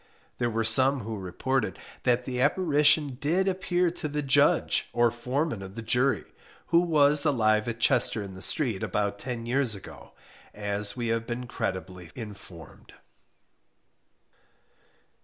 There were some who reported that the apparition did appear to the Judge, or foreman of the jury (who was alive at Chester in the Street, about ten years ago), as we have been credibly informed.